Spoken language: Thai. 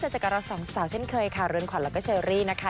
เจอกับเราสองสาวเช่นเคยค่ะเรือนขวัญแล้วก็เชอรี่นะคะ